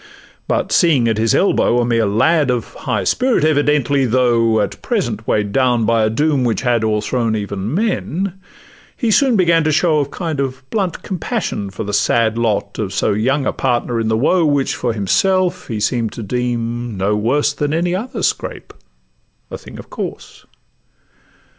But seeing at his elbow a mere lad, Of a high spirit evidently, though At present weigh'd down by a doom which had O'erthrown even men, he soon began to show A kind of blunt compassion for the sad Lot of so young a partner in the woe, Which for himself he seem'd to deem no worse Than any other scrape, a thing of course.